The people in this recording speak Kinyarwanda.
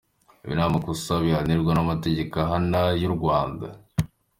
Ibi ni amakosa bihanirwa n’amategeko ahana y’u Rwanda.